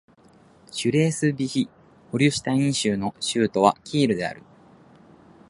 シュレースヴィヒ＝ホルシュタイン州の州都はキールである